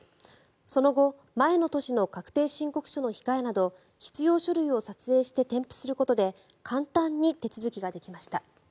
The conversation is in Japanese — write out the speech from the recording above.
その後前の年の確定申告書の控えなど必要書類を撮影して添付することで簡単に手続きができました。